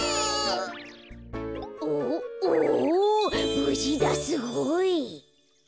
ぶじだすごい。